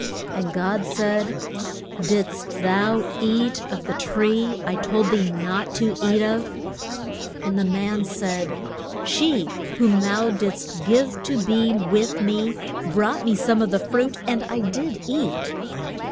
And God said, Did'st thou eat of the tree I told thee not to eat of? And the man said, She whom thou dids't give me to be with me brought me some of the fruit, and I did eat.